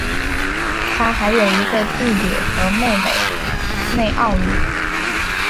他还有一个弟弟和妹妹内奥米。